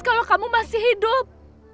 kalau kamu masih hidup